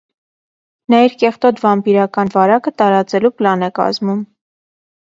Նա իր կեղտոտ վամպիրական վարակը տարածելու պլան է կազմում։